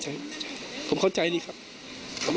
ก็ต้องเข้าใหม่ซึ่ง